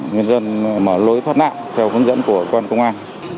người dân mở lối thoát nạn theo hướng dẫn của quan công an